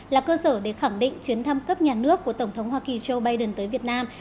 là cơ sở để khẳng định chuyến thăm cấp nhà nước của tổng thống hoa kỳ joe biden tới việt nam